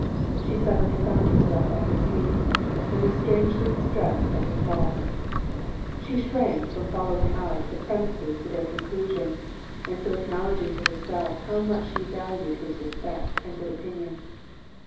She suddenly found herself at his feet, and was strangely distressed at her fall. She shrank from following out the premises to their conclusion, and so acknowledging to herself how much she valued his respect and good opinion.